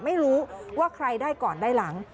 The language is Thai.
ไม่รู้ว่าใครได้ก่อนได้หลัง